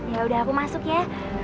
ya udah aku masuk ya